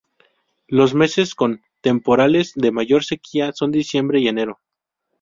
Los meses con temporales de mayor sequía son diciembre y enero.